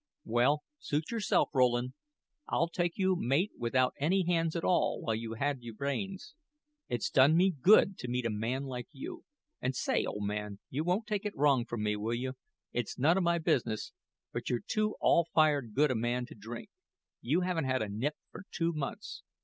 "Well, suit yourself, Rowland; I'll take you mate without any hands at all while you had your brains. It's done me good to meet a man like you; and say, old man, you won't take it wrong from me, will you? It's none o' my business, but you're too all fired good a man to drink. You haven't had a nip for two months.